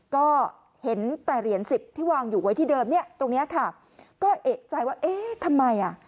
ก็เห็นแต่เหรียญสิบที่วางอยู่ไว้ที่เดิมเนี้ยตรงเนี้ยค่ะก็เอกใจว่าเอ๊ะทำไมอ่ะ